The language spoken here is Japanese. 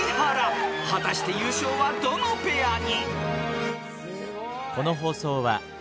［果たして優勝はどのペアに？］